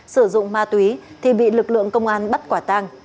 sử dụng ma túy thì bị lực lượng công an bắt quả tang